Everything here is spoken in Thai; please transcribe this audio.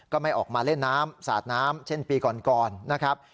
ไม่ออกมาเล่นน้ำสาดน้ำเช่นปีก่อนนะครับ